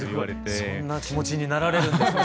そんな気持ちになられるんですね